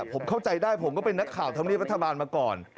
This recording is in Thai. ผมเข้าใจได้ผมก็เป็นนักข่าวธรรมเนียบรัฐบาลมาก่อน